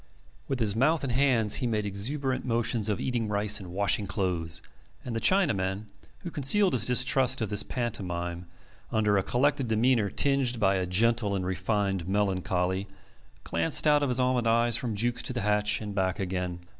With his mouth and hands he made exuberant motions of eating rice and washing clothes; and the Chinaman, who concealed his distrust of this pantomime under a collected demeanour tinged by a gentle and refined melancholy, glanced out of his almond eyes from Jukes to the hatch and back again.